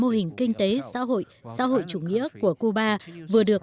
mô hình phát triển kinh tế xã hội xã hội chủ nghĩa của cuba vừa được